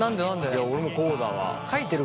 いや俺もこうだわ。